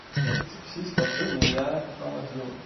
Dat is precies wat de meerjarenprogramma's doen.